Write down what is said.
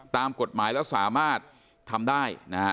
ตามกฎหมายแล้วสามารถทำได้นะฮะ